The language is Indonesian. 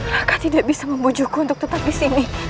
raka tidak bisa membujuku untuk tetap di sini